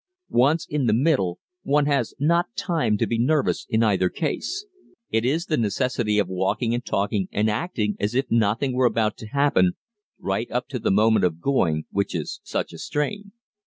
Once in the middle, one has not time to be nervous in either case. It is the necessity of walking and talking and acting as if nothing were about to happen, right up to the moment of going, which is such a strain.